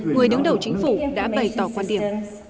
người đứng đầu chính phủ đã bày tỏ quan điểm